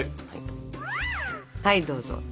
はいどうぞ。